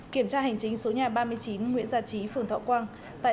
kiểm tra hành chính số nhà ba mươi chín nguyễn già trí phường thọ quang